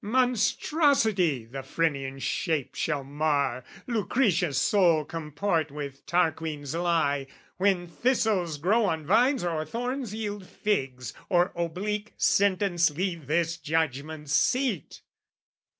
"Monstrosity the Phrynean shape shall mar, "Lucretia's soul comport with Tarquin's lie, "When thistles grow on vines or thorns yield figs, "Or oblique sentence leave this judgment seat!"